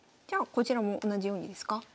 じゃあこちらも同じようにですか？